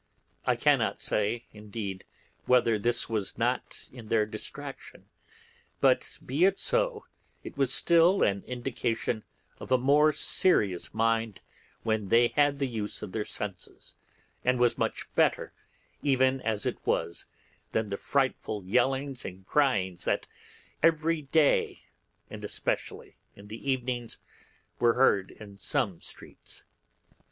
I cannot say, indeed, whether this was not in their distraction, but, be it so, it was still an indication of a more serious mind, when they had the use of their senses, and was much better, even as it was, than the frightful yellings and cryings that every day, and especially in the evenings, were heard in some streets.